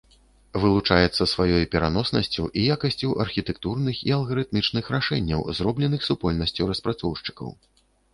Вылучаецца сваёй пераноснасцю і якасцю архітэктурных і алгарытмічных рашэнняў, зробленых супольнасцю распрацоўшчыкаў.